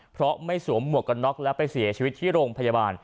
เพราะไม่สวมหมวกกันน็อกแล้วไปเสียชีวิตที่โรงพยาบาล